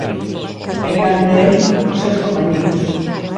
E canda el os seus compañeiros.